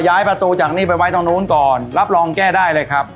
ประตูจากนี้ไปไว้ตรงนู้นก่อนรับรองแก้ได้เลยครับ